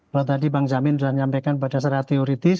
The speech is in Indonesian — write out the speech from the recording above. kalau tadi bang jamin sudah menyampaikan pada secara teoritis